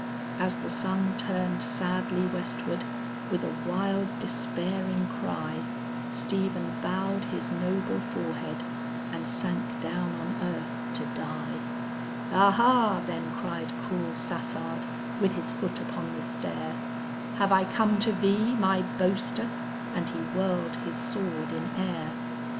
As the sun turned sadly westward, with a wild despairing cry, Stephen bowed his noble forehead and sank down on earth to die. "Ah ha!" then cried cruel Sassard with his foot upon the stair, "Have I come to thee, my boaster?" and he whirled his sword in air.